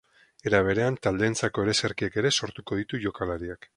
Era berean, taldeentzako ereserkiak ere sortuko ditu jokalariak.